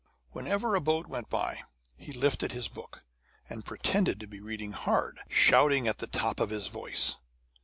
Whenever a boat went by, he lifted his book, and pretended to be reading hard, shouting at the top of his voice.